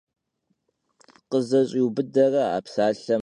Sıtu kued khızeş'aubıdere a psalhexem!